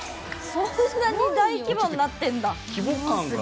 そんなに大規模になってるんだ！